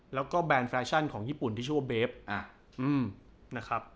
แล้วก็แบรนด์แฟชั่นของญี่ปุ่นที่ชื่อว่าเบฟนะครับ